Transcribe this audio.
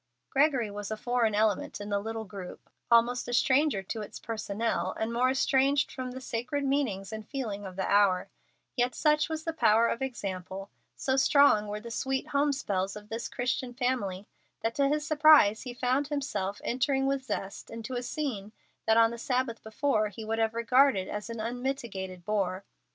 Gregory was a foreign element in the little group, almost a stranger to its personnel, and more estranged from the sacred meanings and feeling of the hour; yet such was the power of example, so strong were the sweet home spells of this Christian family, that to his surprise he found himself entering with zest into a scene that on the Sabbath before he would have regarded as an unmitigated bore.